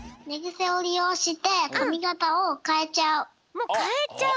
もうかえちゃう。